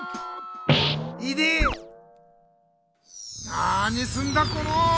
なにすんだこの！